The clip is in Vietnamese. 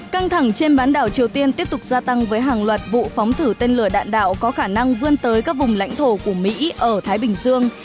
căng thẳng trên bán đảo triều tiên tiếp tục gia tăng với hàng loạt vụ phóng thử tên lửa đạn đạo có khả năng vươn tới các vùng lãnh thổ của mỹ ở thái bình dương